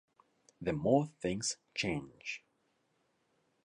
The More Things Change...